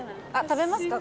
食べますか？